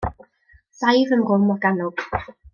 Saif ym Mro Morgannwg.